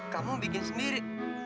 kamu bikin sendiri